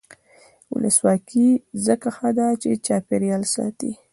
ولسواکي ځکه ښه ده چې چاپیریال ساتي.